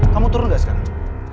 kamu turun gak sekarang